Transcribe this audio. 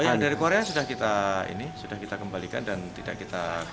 yang dari korea sudah kita kembalikan dan tidak kita kontrak